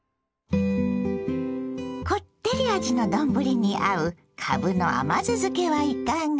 こってり味の丼に合うかぶの甘酢漬けはいかが。